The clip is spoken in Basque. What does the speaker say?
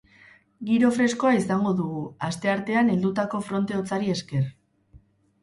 Giro freskoa izango dugu, asteartean heldutako fronte hotzari esker.